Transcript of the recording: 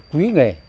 phải yêu nghề